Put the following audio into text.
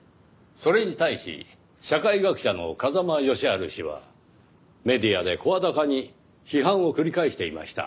それに対し社会学者の風間義晴氏はメディアで声高に批判を繰り返していました。